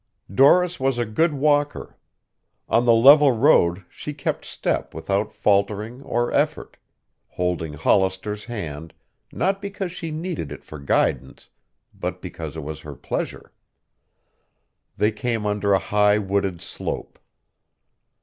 Doris was a good walker. On the level road she kept step without faltering or effort, holding Hollister's hand, not because she needed it for guidance, but because it was her pleasure. They came under a high wooded slope.